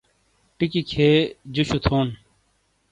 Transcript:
ٹیکی کھیے جُوشُو تھونڈ۔